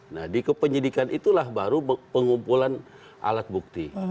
nah di kepenyidikan itulah baru pengumpulan alat bukti